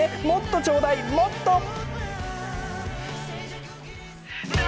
もっとちょうだい、もっと！